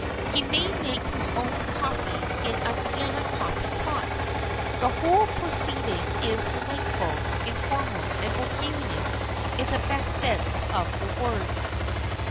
He may make his own coffee in a Vienna coffee pot. The whole proceeding is delightful, informal and Bohemian in the best sense of the word.